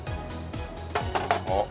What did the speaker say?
あっ。